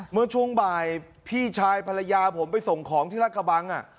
เมื่อช่วงบ่ายพี่ชายภรรยาผมไปส่งของที่รัฐกระบัง